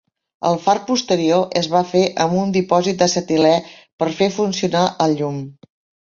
El far posterior es va fer amb un dipòsit d'acetilè per fer funcional el llum.